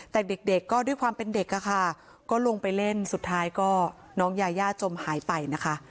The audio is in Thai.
แต่เด็กก็ด้วยความเป็นเด็กอะค่ะก็ลงไปเล่นสุดท้ายก็น้องยายาจมหายไปนะคะ